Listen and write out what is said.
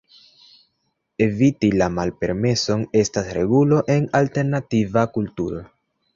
Eviti la malpermeson estas regulo en alternativa kulturo.